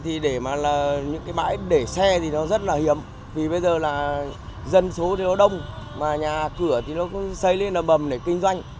thì để mà là những cái bãi để xe thì nó rất là hiếm vì bây giờ là dân số thì nó đông mà nhà cửa thì nó xây lên là bầm để kinh doanh